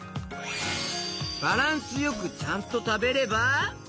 バランスよくちゃんとたべれば。